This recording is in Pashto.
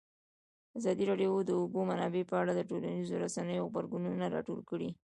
ازادي راډیو د د اوبو منابع په اړه د ټولنیزو رسنیو غبرګونونه راټول کړي.